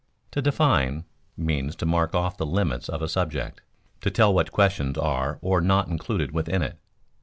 _ To define, means to mark off the limits of a subject, to tell what questions are or are not included within it.